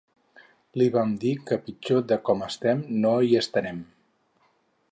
Li vam dir que pitjor de com estem no hi estarem.